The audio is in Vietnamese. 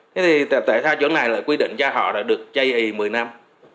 thế thì tại sao chỗ này là quy định cho họ là được chay y một mươi năm